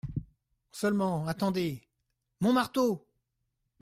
Seulement, attendez… mon marteau !